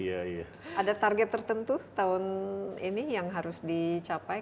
ada target tertentu tahun ini yang harus dicapai